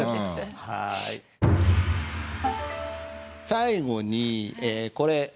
最後にえこれ。